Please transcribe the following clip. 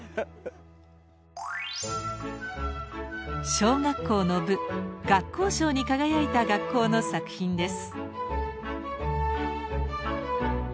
小学校の部学校賞に輝いた学校の作品です。